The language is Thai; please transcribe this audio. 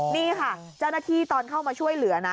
นี่ค่ะเจ้าหน้าที่ตอนเข้ามาช่วยเหลือนะ